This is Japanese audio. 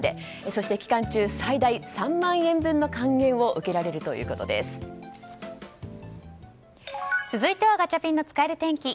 そして、期間中最大３万円分の還元を続いてはガチャピンの使える天気。